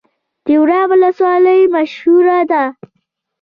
تیوره ولسوالۍ مشهوره ده؟